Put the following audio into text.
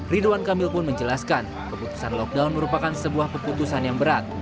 ridwan kamil pun menjelaskan keputusan lockdown merupakan sebuah keputusan yang berat